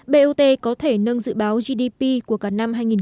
bot có thể nâng dự báo gdp của cả năm hai nghìn hai mươi